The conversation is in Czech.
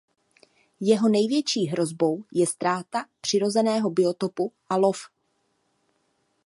Jeho největší hrozbou je ztráta přirozeného biotopu a lov.